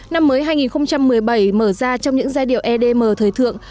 năm mới hai nghìn một mươi bảy mở ra trong những giai điệu edm thời thượng